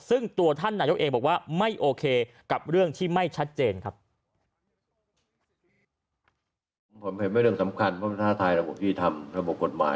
ซึ่งตัวท่านนายกเองบอกว่าไม่โอเคกับเรื่องที่ไม่ชัดเจนครับ